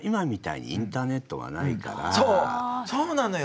そうなのよ！